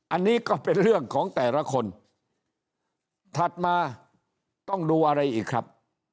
อันนี้ก็เป็นเรื่องของแต่ละคนถัดมาต้องดูอะไรอีกครับ